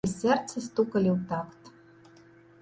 І сэрцы стукалі ў такт.